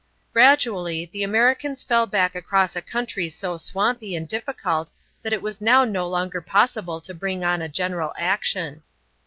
Gradually the Americans fell back across a country so swampy and difficult that it was now no longer possible to bring on a general action.